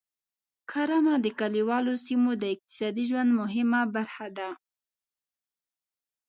کرنه د کليوالو سیمو د اقتصادي ژوند مهمه برخه ده.